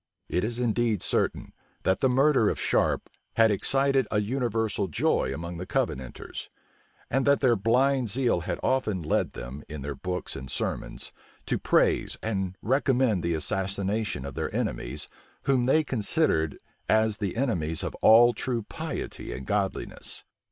It is indeed certain, that the murder of Sharpe had excited a universal joy among the Covenanters; and that their blind zeal had often led them, in their books and sermons, to praise and recommend the assassination of their enemies, whom they considered as the enemies of all true piety and godliness.